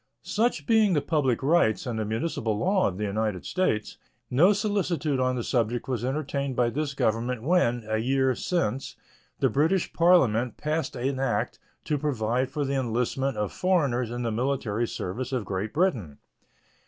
Such being the public rights and the municipal law of the United States, no solicitude on the subject was entertained by this Government when, a year since, the British Parliament passed an act to provide for the enlistment of foreigners in the military service of Great Britain.